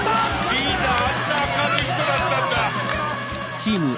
リーダーあんな明るい人だったんだ。